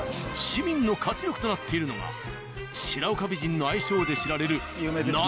市民の活力となっているのが「白岡美人」の愛称で知られる梨。